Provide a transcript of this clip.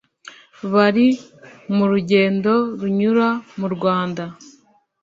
bari mu rugendo runyura mu Rwanda